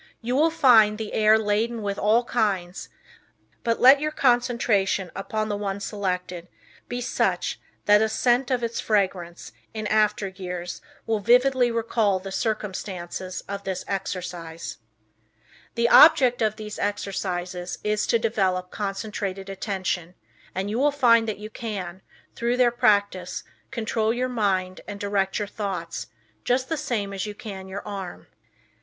You will find the air laden with all kinds, but let your concentration upon the one selected be such that a scent of its fragrance in after years will vividly recall the circumstances of this exercise. The object of these exercises is to develop concentrated attention, and you will find that you can, through their practice, control your mind and direct your thoughts just the same as you can your arm.